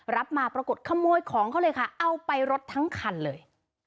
รับมาปรากฏขโมยของเขาเลยค่ะเอาไปรถทั้งคันเลย